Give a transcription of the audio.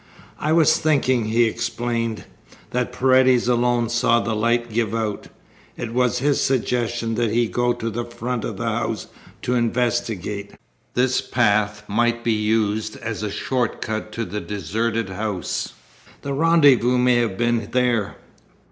"I was thinking," he explained, "that Paredes alone saw the light give out. It was his suggestion that he go to the front of the house to investigate. This path might be used as a short cut to the deserted house. The rendezvous may have been there."